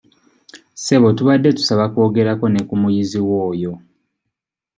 Ssebo tubadde tusaba kwogerako ne ku muyiziwo oyo.